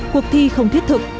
cuộc thi không thiết thực